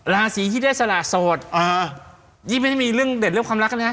ราศีที่ได้สละโสดยิ่งไม่ได้มีเรื่องเด็ดเรื่องความรักนะ